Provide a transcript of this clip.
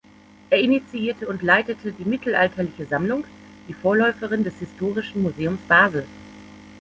Er initiierte und leitete die Mittelalterliche Sammlung, die Vorläuferin des Historischen Museums Basel.